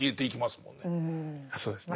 そうですね。